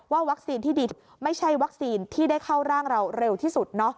วัคซีนที่ดีไม่ใช่วัคซีนที่ได้เข้าร่างเราเร็วที่สุด